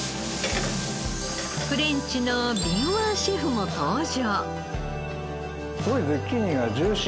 フレンチの敏腕シェフも登場。